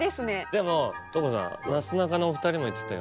でも所さんなすなかのお２人も言ってたように